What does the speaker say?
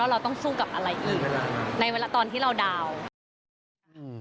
เราต้องสู้กับอะไรอีกในเวลาตอนที่เราดาวน์